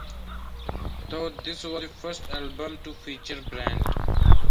Though this was the first album to feature Brant.